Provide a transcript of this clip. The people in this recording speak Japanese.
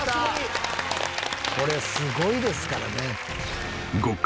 これすごいですからね。